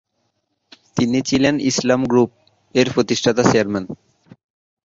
তিনি ছিলেন "ইসলাম গ্রুপ" এর প্রতিষ্ঠাতা-চেয়ারম্যান।